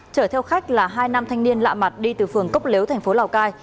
chở theo khách là hai nam thanh niên lạ mặt đi từ phường cốc lếu thành phố lào cai